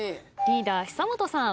リーダー久本さん。